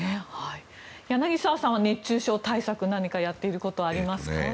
柳澤さんは熱中症対策何かやっていることはありますか？